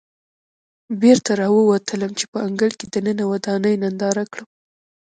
بېرته راووتلم چې په انګړ کې دننه ودانۍ ننداره کړم.